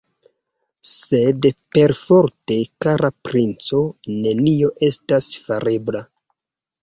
Sed perforte, kara princo, nenio estas farebla!